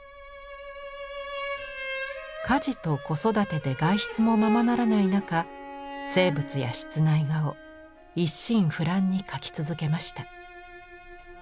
家事と子育てで外出もままならない中静物や室内画を一心不乱に描き続けました。